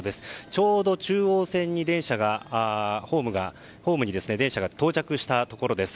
ちょうどホームに電車が到着したところです。